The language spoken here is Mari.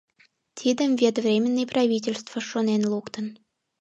Тидым вет Временный правительство шонен луктын.